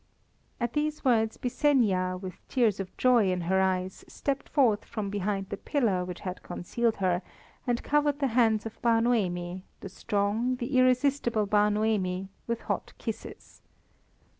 At these words Byssenia, with tears of joy in her eyes, stepped forth from behind the pillar which had concealed her, and covered the hands of Bar Noemi, the strong, the irresistible Bar Noemi, with hot kisses.